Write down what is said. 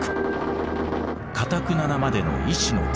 かたくななまでの意志の強さ。